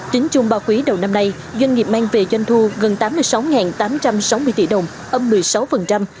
tính chung ba quý đầu năm nay doanh nghiệp mang về doanh thu gần tám mươi sáu tám trăm sáu mươi tỷ đồng âm một mươi sáu